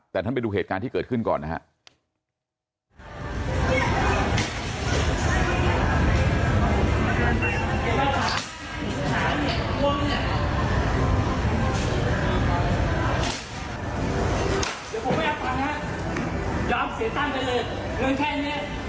แต่ท่านไปดูเหตุการณ์ที่เกิดขึ้นก่อนนะครับ